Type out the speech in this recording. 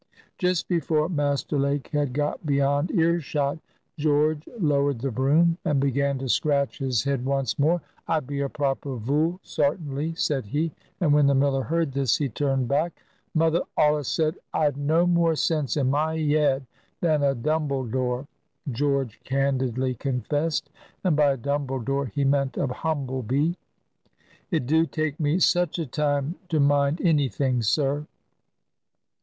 Just before Master Lake had got beyond earshot, George lowered the broom, and began to scratch his head once more. "I be a proper vool, sartinly," said he; and when the miller heard this, he turned back. "Mother allus said I'd no more sense in my yead than a dumbledore," George candidly confessed. And by a dumbledore he meant a humble bee. "It do take me such a time to mind any thing, sir."